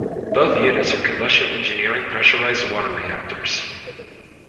Both units are Combustion Engineering pressurized water reactors.